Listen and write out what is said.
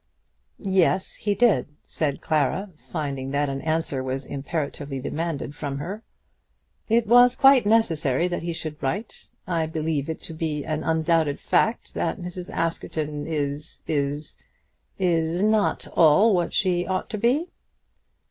"Yes he did," said Clara, finding that an answer was imperatively demanded from her. "It was quite necessary that he should write. I believe it to be an undoubted fact that Mrs. Askerton is, is, is, not at all what she ought to be."